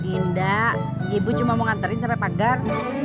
indah ibu cuma mau nganterin sampai pagar